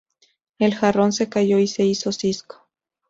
El jarrón se cayó y se hizo cisco